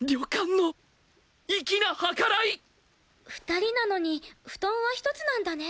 ２人なのに布団は１つなんだね。